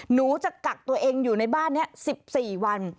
หนูจะกักตัวเองอยู่ในบ้านนี้๑๔วัน